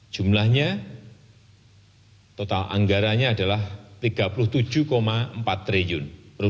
jumlahnya total anggarannya adalah rp tiga puluh tujuh empat triliun